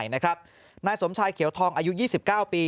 นายสมชายเขียวทองอายุ๒๙ปี